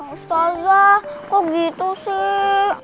ustazah kok gitu sih